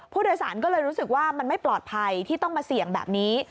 ผู้โดยสารก็เลยรู้สึกว่ามันไม่ปลอดภัยที่ต้องมาเสี่ยงแบบนี้